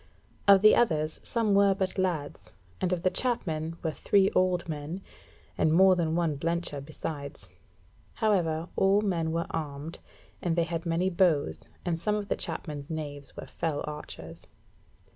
Of the others, some were but lads, and of the Chapmen were three old men, and more than one blencher besides. However, all men were armed, and they had many bows, and some of the chapmen's knaves were fell archers.